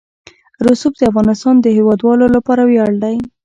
رسوب د افغانستان د هیوادوالو لپاره ویاړ دی.